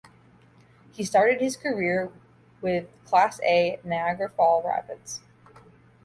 He started his career with class A Niagara Falls Rapids.